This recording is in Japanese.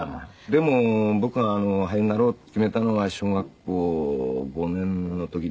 でも僕が俳優になろうって決めたのは小学校５年の時でしたし。